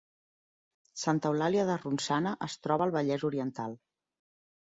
Santa Eulàlia de Ronçana es troba al Vallès Oriental